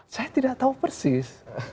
saya tidak tahu persis